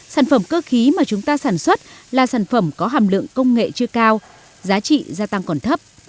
sản phẩm cơ khí mà chúng ta sản xuất là sản phẩm có hàm lượng công nghệ chưa cao giá trị gia tăng còn thấp